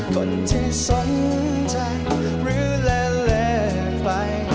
คนที่สนใจหรือเละเล่นไป